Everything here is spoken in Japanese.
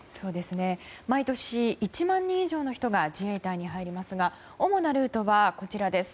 毎年、１万人以上の人が自衛隊に入りますが主なルートはこちらです。